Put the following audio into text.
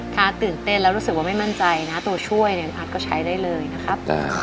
ถ้าตื่นเต้นแล้วรู้สึกว่าไม่มั่นใจนะตัวช่วยเนี่ยอัดก็ใช้ได้เลยนะครับ